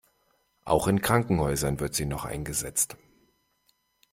Auch in Krankenhäusern wird sie noch eingesetzt.